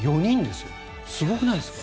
すごくないですか？